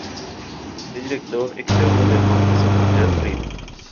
Fue Director externo del Banco Santander Río.